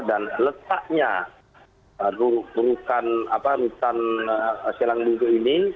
dan letaknya rutan selang dungu ini